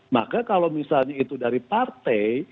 maka kalau misalnya itu dari partai